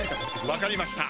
分かりました。